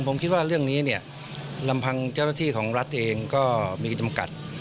ผมคิดว่าเรื่องนี้เนี่ยลำพังเจ้าหน้าที่ของรัฐเองก็มีจำกัด